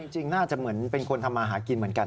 จริงน่าจะเหมือนเป็นคนทำมาหากินเหมือนกัน